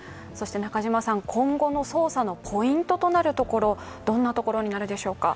今後の捜査のポイントとなるところ、どんなところになるでしょうか？